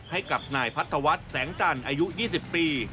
ให้กับนายพัทธวัฒน์แสงจันทร์อายุ๒๐ปี